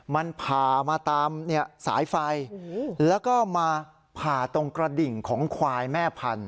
มันผ่ามาตามสายไฟแล้วก็มาผ่าตรงกระดิ่งของควายแม่พันธ